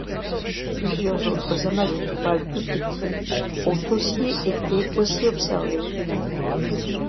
Plusieurs autres amas d'étoiles plus petits ont aussi été aussi observés.